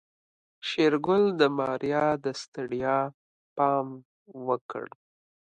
شېرګل د ماريا د ستړيا پام وکړ.